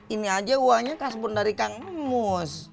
ini aja uangnya kasbon dari kang mus